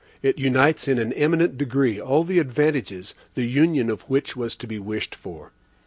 It unites in an eminent degree all the advantages, the union of which was to be wished for.